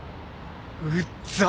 うっざ！